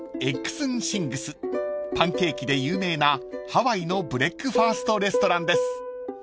［パンケーキで有名なハワイのブレックファーストレストランです］